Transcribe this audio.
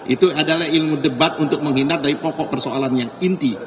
itu adalah ilmu debat untuk menghindar dari pokok persoalan yang inti